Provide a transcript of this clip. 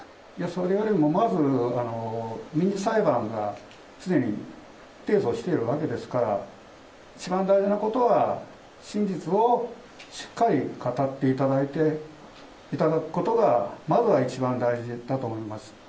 それよりもまず、民事裁判がすでに提訴しているわけですから、一番大事なことは、真実をしっかり語っていただくことが、まずは一番大事だと思います。